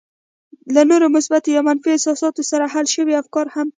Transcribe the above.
له نورو مثبتو او يا منفي احساساتو سره حل شوي افکار هم.